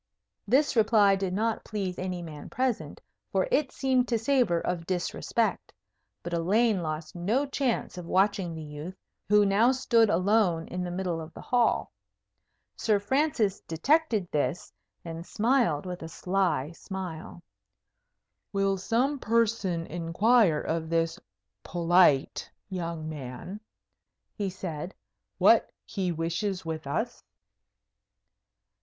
This reply did not please any man present, for it seemed to savour of disrespect. But Elaine lost no chance of watching the youth, who now stood alone in the middle of the hall. Sir Francis detected this, and smiled with a sly smile. "Will some person inquire of this polite young man," he said, "what he wishes with us?"